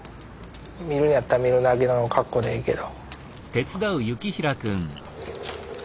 見るんやったら見るだけの格好でええけど。